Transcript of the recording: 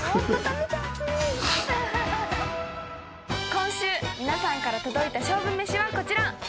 今週皆さんから届いた勝負めしはこちら。